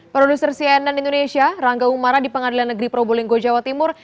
produser cnn indonesia rangga umara di pengadilan negeri probolinggo jawa timur